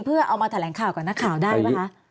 เพื่อเอามาแถลงข่าวกับนักข่าวได้ป่ะคะ